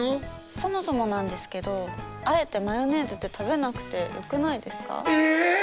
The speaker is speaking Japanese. そもそもなんですけどあえてマヨネーズって食べなくてよくないですか？